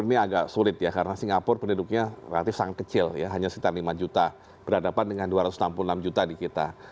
ini agak sulit ya karena singapura penduduknya relatif sangat kecil ya hanya sekitar lima juta berhadapan dengan dua ratus enam puluh enam juta di kita